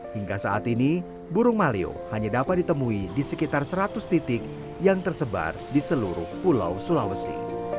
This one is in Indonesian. hingga saat ini burung malio hanya dapat ditemui di sekitar seratus titik yang tersebar di seluruh pulau sulawesi